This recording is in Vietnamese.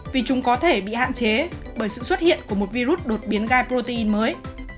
vì chúng có thể bị hạn chế bởi sự xuất hiện của một virus đột biến gai protein mới